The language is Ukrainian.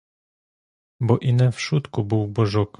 Бо і не в шутку був божок: